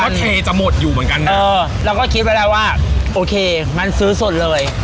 ก็เทจะหมดอยู่เหมือนกันนะเออเราก็คิดไว้แล้วว่าโอเคงั้นซื้อสดเลย